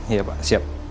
iya pak siap